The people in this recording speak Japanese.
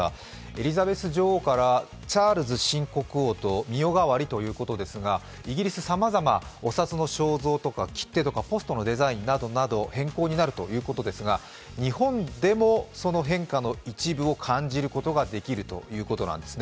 エリザベス女王からチャールズ新国王と妙代わりということですが、イギリス、さまざまお札の肖像とか切手などさまざまなことが変更になるということですけど日本でもその変化の一部を感じることができるということです。